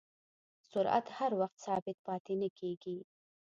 سرعت هر وخت ثابت پاتې نه کېږي.